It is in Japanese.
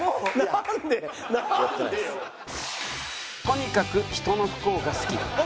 とにかく人の不幸が好き。